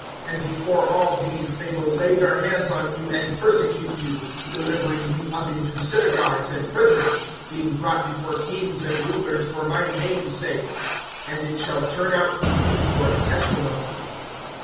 (12)And before all these, they will lay their hands on you, and persecute you, delivering you up into synagogues and prisons, being brought before kings and rulers for my name's sake. (13)And it shall turn out to you for a testimony.